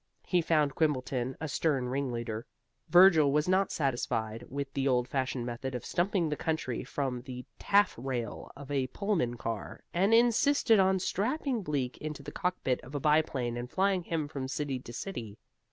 He found Quimbleton a stern ringleader. Virgil was not satisfied with the old fashioned method of stumping the country from the taff rail of a Pullman car, and insisted on strapping Bleak into the cockpit of a biplane and flying him from city to city.